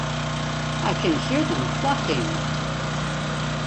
I can hear them clucking!